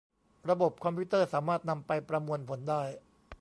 ระบบคอมพิวเตอร์สามารถนำไปประมวลผลได้